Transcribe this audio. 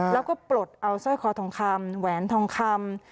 แล้วก็ปลดเอาสร้อยคอทองคำแหวนทองคำ